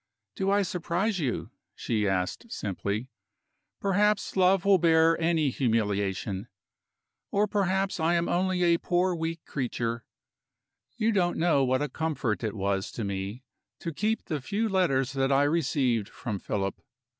"Do I surprise you?" she asked simply. "Perhaps love will bear any humiliation. Or perhaps I am only a poor weak creature. You don't know what a comfort it was to me to keep the few letters that I received from Philip.